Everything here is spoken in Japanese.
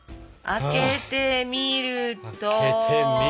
開けてみると。